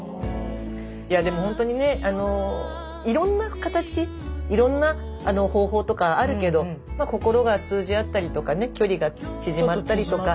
いやでもほんとにねいろんな形いろんな方法とかあるけど心が通じ合ったりとかね距離が縮まったりとか。